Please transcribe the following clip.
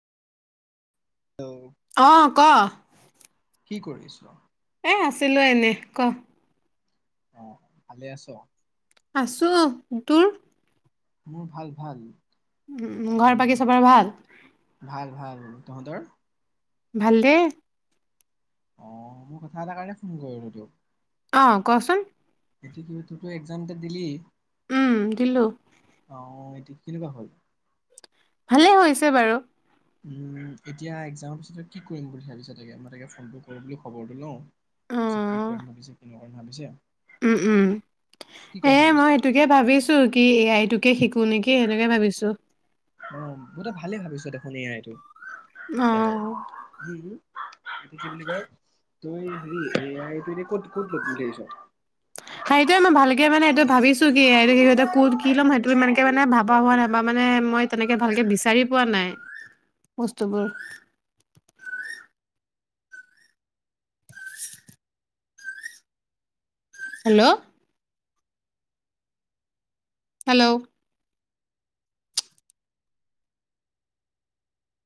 Hello অ ক কি কৰিছ? এ আছিলো এনে ক অ ভালে আছো? আছো তোৰ? মোৰ ভাল ভাল উম ঘৰত বাকী চবৰে ভাল? ভাল ভাল। তহঁতৰ? ভালে অ কথা এটাৰ কাৰণে ফোন কৰিলো তোক। অ কোৱাচোন সেইটো তইতো ইকযাম এটা দিলি উম দিলো অ কেনেকুৱা হল? ভালে হৈছে বাৰু উম! এতিয়া এক্সাম পিছতে, কি কৰিম বুলি ভাবিছা? তাকে মই বোলো খবৰটো লও। অ [inaudible] তই ভাবিছা উম উম সে ভাবিছ? মই সেইটোকে ভাবিছো কি টোকে শিক এনেকে, সেনেকে ভাবিছো। তই ভালে ভাবিছো দেখোন এ আই টো অ কেনে হু হুম সেইটো কি বুলি কয় তই হেৰি এ আই টো এনে কত লম বুলি ভাবিছো সেইটোৱে মই ভালকে মানে এইটো ভাবিছো [unintelligible] বা হোৱা নাই বা মানে মই তেনেকে ভালকে বিচাৰি পোৱা নাই বস্তুবোৰ হেল্ল'। হেলো